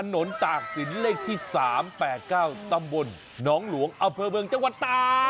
ถนนตากสินเลขที่๓๘๙ตำบลน้องหลวงอเผลอเบิงจังหวัดตาก